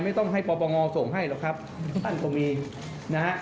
ไม่ต้องให้ปปงส่งให้หรอกครับทุกท่านก็มีนะฮะ